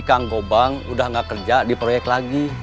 kang gobang udah gak kerja di proyek lagi